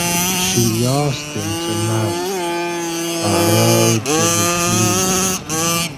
She asked him to marry her, but Rhodes refused.